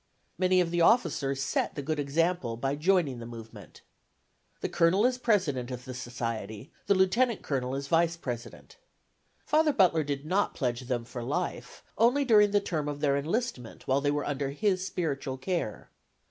Many of the officers set the good example by joining the movement. The Colonel is president of the society, the Lieutenant Colonel is vice president. Father Butler did not pledge them for life; only during the term of their enlistment while they were under his spiritual care.